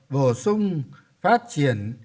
bổ sung phát triển